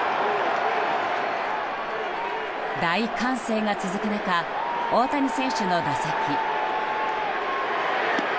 大歓声が続く中大谷選手の打席。